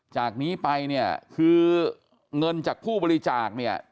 จากนี้ไปเนี่ยคือเงินจากผู้บริจาคเนี่ย